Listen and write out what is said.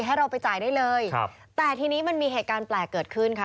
ให้เราไปจ่ายได้เลยครับแต่ทีนี้มันมีเหตุการณ์แปลกเกิดขึ้นค่ะ